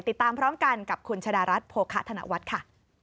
ติดตามพร้อมกันกับคุณชะดารัฐโภคะธนวัฒน์ค่ะ